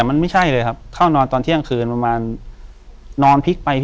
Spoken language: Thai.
กุมารพายคือเหมือนกับว่าเขาจะมีอิทธิฤทธิ์ที่เยอะกว่ากุมารทองธรรมดา